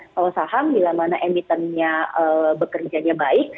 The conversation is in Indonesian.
kalau saham bila mana emitennya bekerjanya baik